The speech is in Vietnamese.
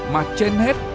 mà trên hết